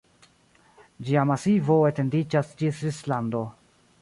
Ĝia masivo etendiĝas ĝis Svislando.